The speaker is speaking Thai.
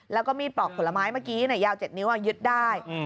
แล้วก็มีดปลอกผลไม้เมื่อกี้ยาว๗นิ้วยึดได้